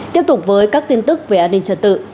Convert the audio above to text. tiếp tục với các tin tức về an ninh trật tự